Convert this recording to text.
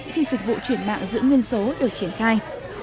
khi dịch vụ chuyển mạng giữ nguyên số được triển khai